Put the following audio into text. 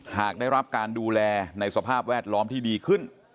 หากได้รับการดูแลในสภาพแวดล้อมที่ดีขึ้น